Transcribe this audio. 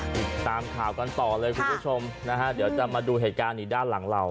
ติดตามข่าวกันต่อเลยคุณผู้ชมนะฮะเดี๋ยวจะมาดูเหตุการณ์นี้ด้านหลังเรา